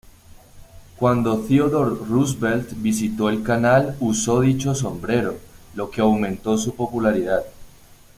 Cuando Theodore Roosevelt visitó el canal usó dicho sombrero, lo que aumentó su popularidad.